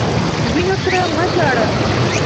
وینو ته مه ژاړه.